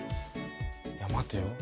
いや待てよ。